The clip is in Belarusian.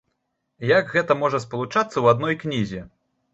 Як гэта можа спалучацца ў адной кнізе?